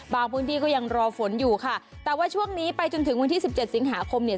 พื้นที่ก็ยังรอฝนอยู่ค่ะแต่ว่าช่วงนี้ไปจนถึงวันที่สิบเจ็ดสิงหาคมเนี่ย